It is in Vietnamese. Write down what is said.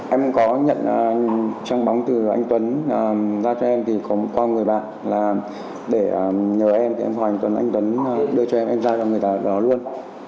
em có nhận trang bóng từ anh tuấn ra cho em thì có một con người bạn là để nhờ em thì em gọi anh tuấn anh tuấn đưa cho em em giao cho người ta đó luôn